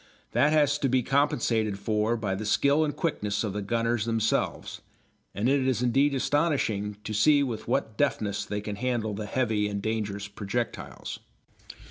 That has to be compensated for by the skill and quickness of the gunners themselves, and it is indeed astonishing to see with what deftness they can handle the heavy and dangerous projectiles.